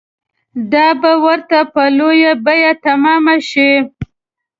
دا به ورته په لویه بیه تمامه شي.